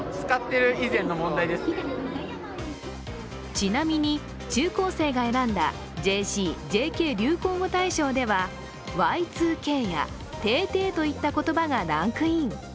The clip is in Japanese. ちなみに、中高生が選んだＪＣ・ＪＫ流行語大賞ではＹ２Ｋやてぇてぇといった言葉がランクイン。